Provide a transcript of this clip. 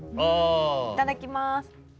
いただきます。